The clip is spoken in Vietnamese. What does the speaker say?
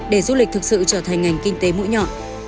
để du lịch thực sự trở thành ngành kinh tế mũi nhọn